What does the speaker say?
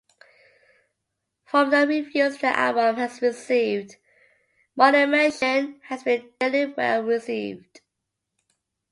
From the reviews the album has received, "Monumension" has been generally well received.